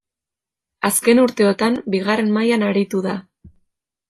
Azken urteotan bigarren mailan aritu da.